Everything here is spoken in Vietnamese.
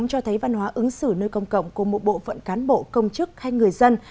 cho thấy văn hóa ứng xử nơi công cộng của một bộ phận cán bộ công chức hay người dân